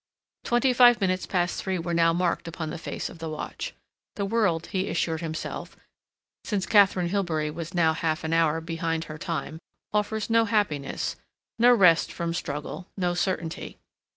Twenty five minutes past three were now marked upon the face of the watch. The world, he assured himself, since Katharine Hilbery was now half an hour behind her time, offers no happiness, no rest from struggle, no certainty.